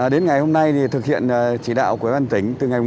đến ngày hôm nay thực hiện chỉ đạo của bản tỉnh từ ngày bảy tháng bốn